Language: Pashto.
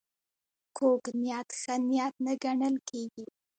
کوږ نیت ښه نیت نه ګڼل کېږي